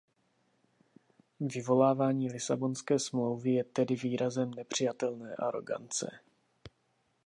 Vyvolávání Lisabonské smlouvy je tedy výrazem nepřijatelné arogance.